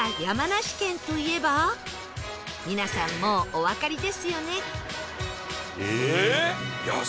皆さんもうおわかりですよね？